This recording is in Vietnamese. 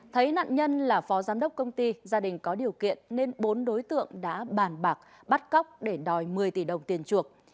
thấy nạn nhân là phó giám đốc công ty gia đình có điều kiện nên bốn đối tượng đã bàn bạc bắt cóc để đòi một mươi tỷ đồng tiền chuộc